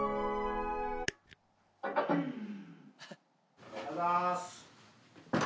おはようございます。